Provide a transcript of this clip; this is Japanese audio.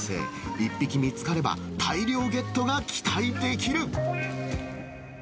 １匹見つかれば、大量ゲットが期待できる。